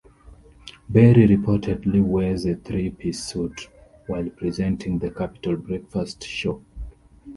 Berry reportedly wears a three piece suit while presenting the Capital Breakfast Show.